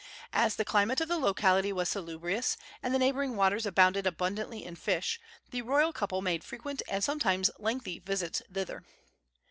As the climate of the locality was salubrious, and the neighboring waters abounded abundantly in fish, the royal couple made frequent and sometimes lengthy visits thither.